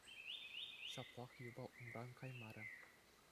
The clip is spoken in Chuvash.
Ҫаплах юпа умран каймарӗ.